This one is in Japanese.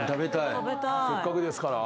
せっかくですから。